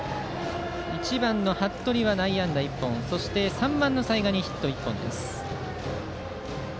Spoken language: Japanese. １番の服部は内野安打、１本３番、齊賀にヒット１本です。